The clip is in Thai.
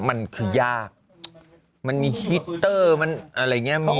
มันคือยากมันมีฮิตเตอร์มันอะไรอย่างนี้